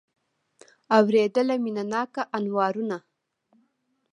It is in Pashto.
اورېدله مینه ناکه انوارونه